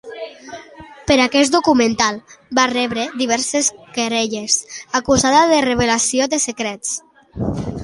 Per aquest documental va rebre diverses querelles, acusada de revelació de secrets.